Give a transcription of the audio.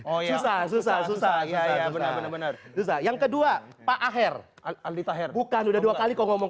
oh ya susah susah susah ya bener bener yang kedua pak aher adi taher bukan udah dua kali kau ngomong